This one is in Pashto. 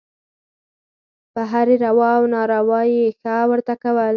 په هرې روا او ناروا یې «ښه» ورته کول.